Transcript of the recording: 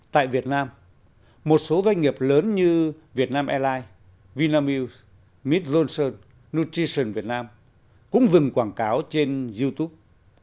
tại việt nam một số doanh nghiệp lớn như vietnam airlines vinamuse miss johnson nutrition việt nam cũng dừng quảng cáo trên youtube